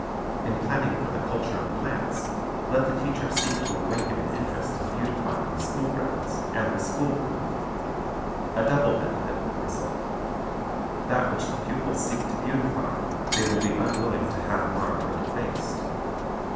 In planning for the culture of plants, let the teacher seek to awaken an interest in beautifying the school grounds and the schoolroom. A double benefit will result That which the pupils seek to beautify they will be unwilling to have marred or defaced.